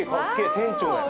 船長やん。